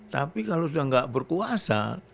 tapi kalau sudah tidak berkuasa